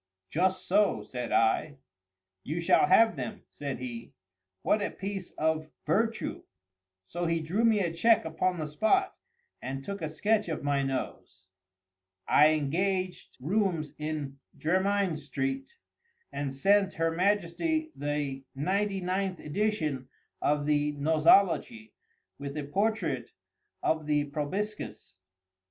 "Just so," said I. "You shall have them," said he. "What a piece of virtu!" So he drew me a check upon the spot, and took a sketch of my nose. I engaged rooms in Jermyn street, and sent her Majesty the ninety ninth edition of the "Nosology," with a portrait of the proboscis.